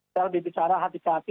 saya lebih bicara hati hati